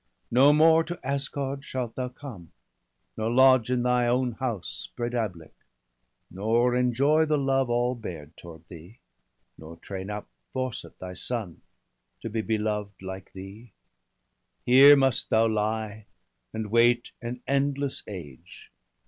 No more to Asgard shalt thou come, nor lodge In thy own house, Breidablik, nor enjoy The love all bear toward thee, nor train up Forset, thy son, to be beloved like thee. Here must thou lie, and wait an endless age.